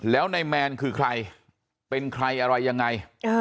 แล้วนายแมนคือใครเป็นใครอะไรยังไง